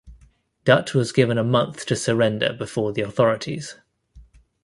Dutt was given a month to surrender before the authorities.